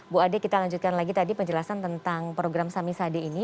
bu ade kita lanjutkan lagi tadi penjelasan tentang program samisade ini